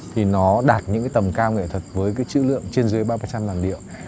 thì nó đạt những tầm cao nghệ thuật với chữ lượng trên dưới ba trăm linh điệu